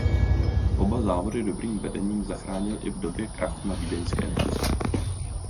Oba závody dobrým vedením zachránil i v době krachu na vídeňské burze.